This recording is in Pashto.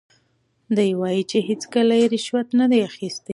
دی وایي چې هیڅکله یې رشوت نه دی اخیستی.